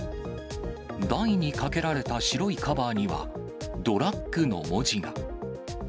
台にかけられた白いカバーにはドラッグの文字が。